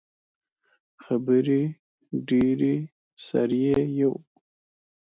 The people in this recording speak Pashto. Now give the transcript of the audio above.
خبرې ډیرې سر يې یو.